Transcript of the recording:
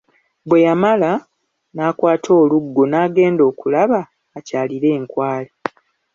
Bwe yamala, n'akwata oluggo n'agenda okulaba akyalire enkwale.